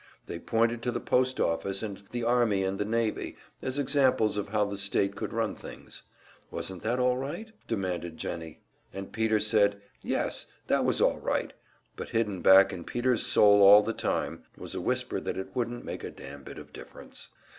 They pointed to the post office and the army and the navy, as examples of how the State could run things. Wasn't that all right? demanded Jennie. And Peter said Yes, that was all right; but hidden back in Peter's soul all the time was a whisper that it wouldn't make a damn bit of difference.